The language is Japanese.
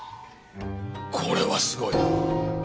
これはすごいな。